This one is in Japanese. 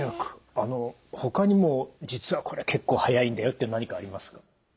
あのほかにも実はこれ結構早いんだよって何かありますか？